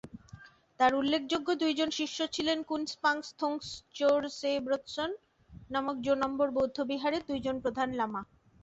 তার উল্লেখযোগ্য দুইজন শিষ্য ছিলেন কুন-স্পাংস-থুগ্স-র্জে-ব্র্ত্সোন-গ্রুস এবং ব্যাং-সেম্স-র্গ্যাল-বা-য়ে-শেস নামক জো-নম্বর বৌদ্ধবিহারের দুইজন প্রধান লামা।